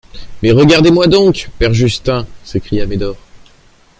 Mais regardez-moi donc, père Justin ! s'écria Médor.